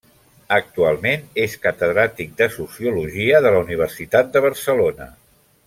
Actualment és catedràtic de Sociologia de la Universitat de Barcelona.